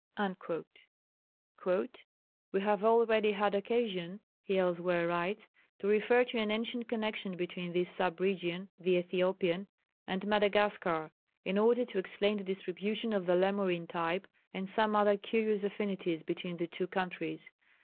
" "We have already had occasion," he elsewhere writes, "to refer to an ancient connection between this sub region (the Ethiopian) and Madagascar, in order to explain the distribution of the Lemurine type, and some other curious affinities between the two countries.